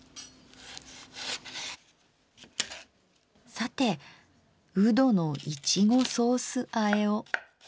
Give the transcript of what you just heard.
さてうどのいちごソースあえを。